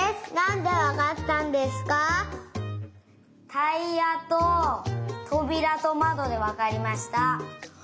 タイヤととびらとまどでわかりました。